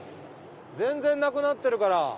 全然なくなってるから。